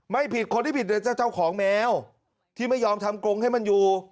ไม่ผิดคนที่ผิดเลยเจ้าของแมวที่ไม่ยอมทำกรงให้มันอยู่